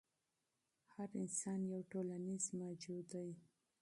هر انسان یو ټولنیز موجود دی.